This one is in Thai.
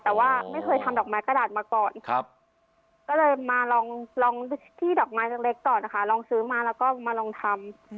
แต่ว่าไม่เคยทำดอกไม้กระดาษมาก่อนก็เลยมาลองที่ดอกไม้เล็กก่อนนะคะลองซื้อมาแล้วก็มาลองทำ